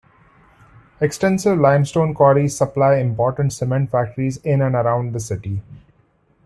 Extensive limestone quarries supply important cement factories in and around the city.